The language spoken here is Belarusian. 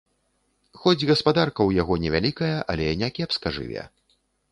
Хоць гаспадарка ў яго невялікая, але не кепска жыве.